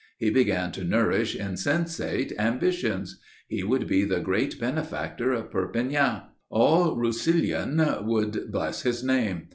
He began to nourish insensate ambitions. He would be the Great Benefactor of Perpignan. All Roussillon should bless his name.